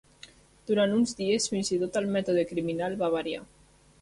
Durant uns dies, fins i tot el mètode criminal va variar.